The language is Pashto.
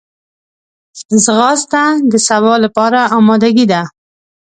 ځغاسته د سبا لپاره آمادګي ده